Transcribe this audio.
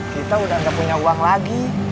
kita udah gak punya uang lagi